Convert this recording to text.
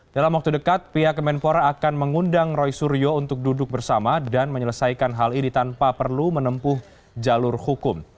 dalam waktu dekat pihak kemenpora akan mengundang roy suryo untuk duduk bersama dan menyelesaikan hal ini tanpa perlu menempuh jalur hukum